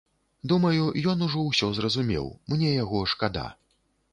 Думаю, ён ужо ўсё зразумеў, мне яго шкада.